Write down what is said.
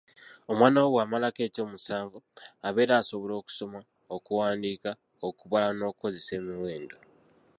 Omwana wo bw'amalako eky'omusanvu, abeera asobola okusoma, okuwandiika okubala n'okukozesa emiwendo.